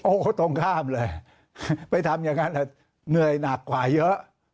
โอ้โหตรงข้ามเลยไปทำอย่างนั้นเหนื่อยหนักกว่าเยอะ